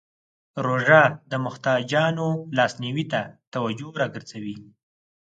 روژه د محتاجانو لاسنیوی ته توجه راګرځوي.